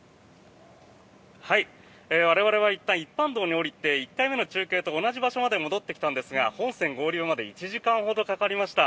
我々はいったん一般道に下りて１回目の中継と同じ場所まで戻ってきたんですが本線合流まで１時間ほどかかりました。